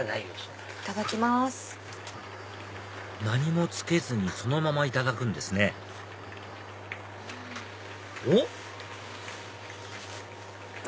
何もつけずにそのままいただくんですねおっ？